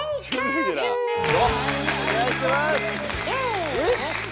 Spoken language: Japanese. お願いします！